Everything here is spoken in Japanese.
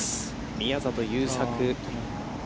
宮里優作。